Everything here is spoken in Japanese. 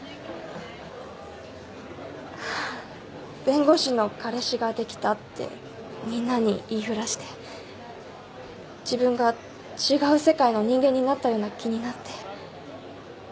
弁護士の彼氏ができたってみんなに言いふらして自分が違う世界の人間になったような気になって。